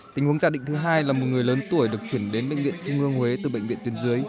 tình huống giả định thứ hai là một người lớn tuổi được chuyển đến bệnh viện trung ương huế từ bệnh viện tuyến dưới